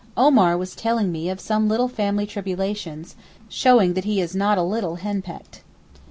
Omar was telling me of some little family tribulations, showing that he is not a little henpecked.